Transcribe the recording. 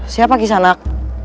siapa kisah anak